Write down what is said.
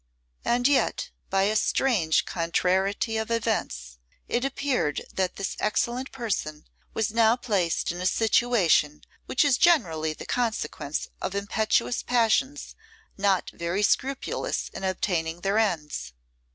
And yet, by a strange contrariety of events, it appeared that this excellent person was now placed in a situation which is generally the consequence of impetuous passions not very scrupulous in obtaining their ends.